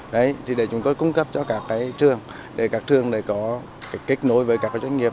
đấy để chúng tôi cung cấp cho các trường để các trường có kịch nối với các doanh nghiệp